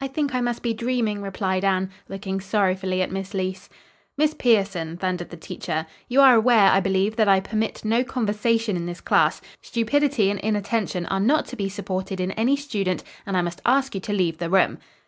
"I think I must be dreaming," replied Anne, looking sorrowfully at Miss Leece. "Miss Pierson," thundered the teacher, "you are aware, I believe, that I permit no conversation in this class. Stupidity and inattention are not to be supported in any student, and I must ask you to leave the room."